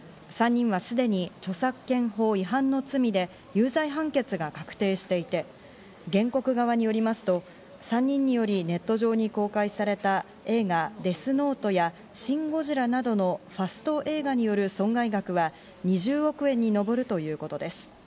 ３人はすでに著作権法違反の罪で有罪判決が確定していて、原告側によりますと３人によりネット上に公開された映画『ＤＥＡＴＨＮＯＴＥ』や『シン・ゴジラ』などのファスト映画による損害額は２０億円に上るということです。